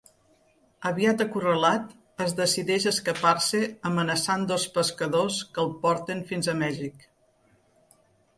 Aviat acorralat, es decideix a escapar-se amenaçant dos pescadors que el porten fins a Mèxic.